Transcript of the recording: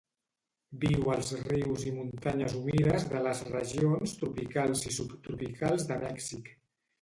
Viu als rius i muntanyes humides de les regions tropicals i subtropicals de Mèxic.